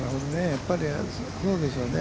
やっぱりそうでしょうね。